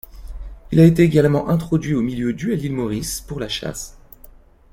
Il a été également introduit au milieu du à l'île Maurice pour la chasse.